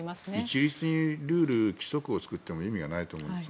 一律にルール規則を作っても意味がないと思います。